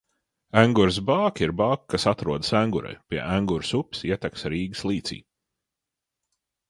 Engures bāka ir bāka, kas atrodas Engurē pie Engures upes ietekas Rīgas līcī.